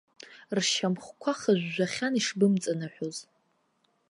Ршьамхқәа хыжәжәахьан ишбымҵаныҳәоз.